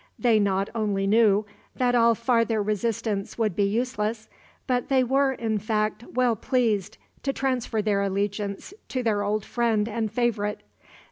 They not only knew that all farther resistance would be useless, but they were, in fact, well pleased to transfer their allegiance to their old friend and favorite.